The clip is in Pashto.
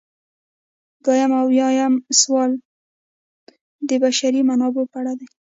دوه اویایم سوال د بشري منابعو په اړه دی.